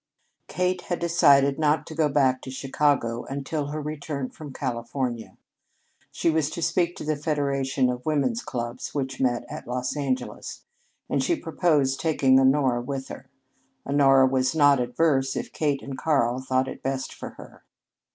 Kate had decided not to go back to Chicago until her return from California. She was to speak to the Federation of Women's Clubs which met at Los Angeles, and she proposed taking Honora with her. Honora was not averse if Kate and Karl thought it best for her.